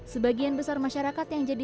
sebagian besar masyarakat yang jadi